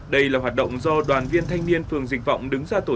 đây là hoạt động do đoàn viên thanh niên phường dịch vọng đứng ra tổ chức